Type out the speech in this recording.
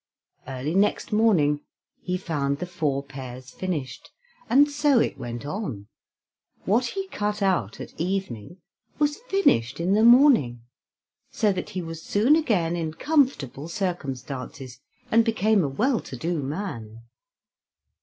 Early next morning he found the four pairs finished, and so it went on; what he cut out at evening was finished in the morning, so that he was soon again in comfortable circumstances, and became a well to do man.